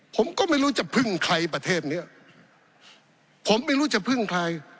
ผมก็ไม่รู้จะพึ่งใครประเทศเนี้ยผมไม่รู้จะพึ่งใคร